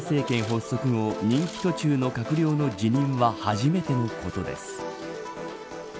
補足後任期途中の閣僚の辞任は初めてのことです。